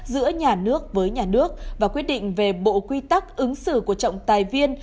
giữa nhà nước với nhà nước và quyết định về bộ quy tắc ứng xử của trọng tài viên